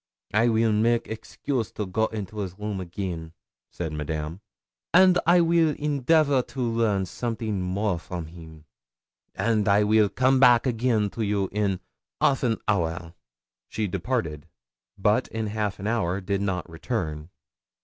'I weel make excuse to go into his room again,' said Madame; 'and I weel endeavor to learn something more from him, and I weel come back again to you in half an hour.' She departed. But in half an hour did not return.